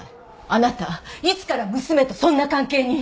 あなたいつから娘とそんな関係に？